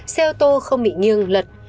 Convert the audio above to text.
xe ô tô không bị nghiêng lật